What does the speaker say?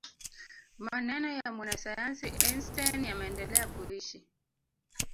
maneno ya mwanasayansi einstein yameendelea kuishi